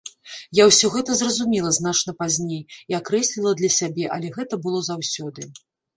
Я ўсё гэта зразумела значна пазней і акрэсліла для сябе, але гэта было заўсёды.